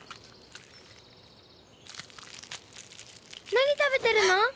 何食べてるの？